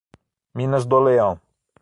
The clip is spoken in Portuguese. Minas do Leão